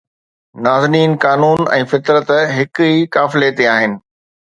نازنين قانون ۽ فطرت هڪ ئي قافلي تي آهن